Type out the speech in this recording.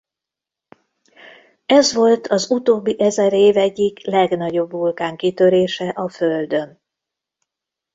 Ez volt az utóbbi ezer év egyik legnagyobb vulkánkitörése a Földön.